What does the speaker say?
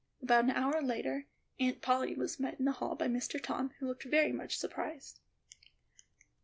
About an hour later, Aunt Polly was met in the hall by Mister Tom, who looked very much surprised.